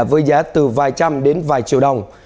với giá từ vài trăm đến vài triệu đồng